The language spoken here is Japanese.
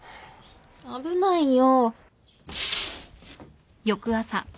危ないよ。